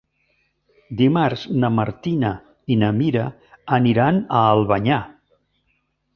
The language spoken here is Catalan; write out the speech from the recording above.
Dimarts na Martina i na Mira aniran a Albanyà.